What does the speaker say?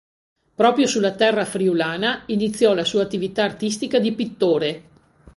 Proprio sulla terra friulana iniziò la sua attività artistica di pittore.